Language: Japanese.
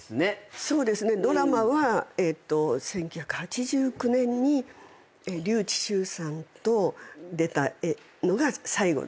そうですねドラマは１９８９年に笠智衆さんと出たのが最後ですね。